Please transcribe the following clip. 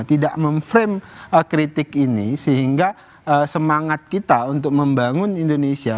tidak memframe kritik ini sehingga semangat kita untuk membangun indonesia